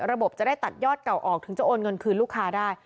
ระบบจะได้ตัดยอดเก่าออกถึงจะโอนเงินคืนลูกค้าได้